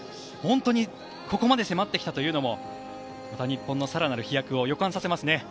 本当にここまで迫ってきたというのもまた日本の更なる飛躍を予感させますね。